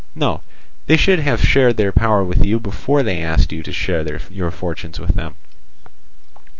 No, they should have shared their power with you before they asked you to share your fortunes with them.